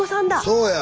そうや！